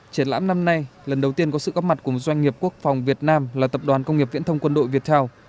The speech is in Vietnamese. triển lãm năm nay lần đầu tiên có sự góp mặt cùng doanh nghiệp quốc phòng việt nam là tập đoàn công nghiệp viễn thông quân đội việt theo